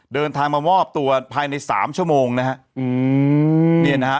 เดินทางมามอบตัวภายในสามชั่วโมงนะฮะอืมเนี่ยนะฮะ